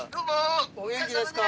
お元気ですか？